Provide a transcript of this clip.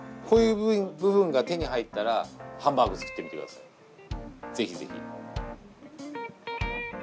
こういう部分が手に入ったらハンバーグ作ってみて下さい是非是非。